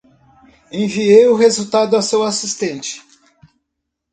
Enviei o resultado a seu assistente.